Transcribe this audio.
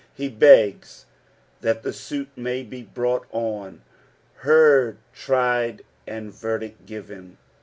He begs that the suit may bu brought on, heard, tried, and verdict given.